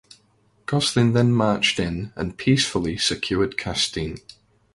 Gosselin then marched in and peacefully secured Castine.